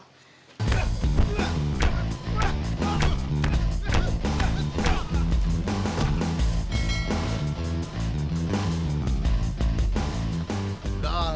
semoga aja berhasil